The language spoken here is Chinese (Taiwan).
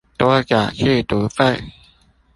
多繳寄讀費